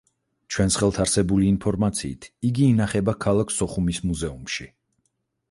ჩვენს ხელთ არსებული ინფორმაციით, იგი ინახება ქალაქ სოხუმის მუზეუმში.